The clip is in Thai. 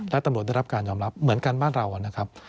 และตำรวจได้รับการยอมรับเหมือนกันบ้านเรานะครับ